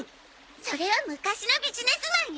それは昔のビジネスマンよ。